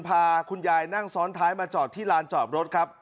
พาคุณยายนั่งซ้อนท้ายมาจอดที่ลานจอดรถครับ